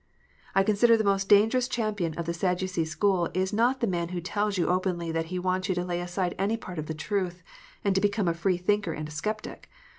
I consider the most dangerous champion of the Sadducee school is not the man who tells you openly that he wants you to lay aside any part of the truth, and to become a free thinker and a sceptic.